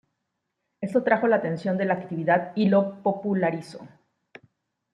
Esto trajo la atención de la actividad y lo popularizó.